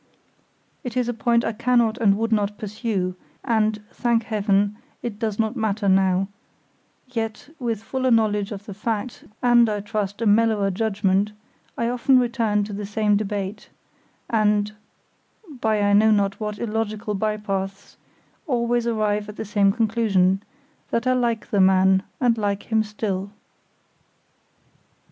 It is a point I cannot and would not pursue, and, thank Heaven, it does not matter now; yet, with fuller knowledge of the facts, and, I trust, a mellower judgement, I often return to the same debate, and, by I know not what illogical bypaths, always arrive at the same conclusion, that I liked the man and like him still.